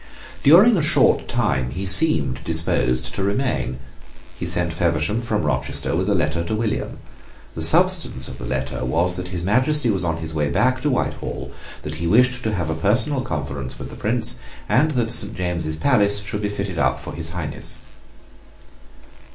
During a short time he seemed disposed to remain. He sent Feversham from Rochester with a letter to William. The substance of the letter was that His Majesty was on his way back to Whitehall, that he wished to have a personal conference with the Prince, and that Saint James's Palace should be fitted up for his Highness.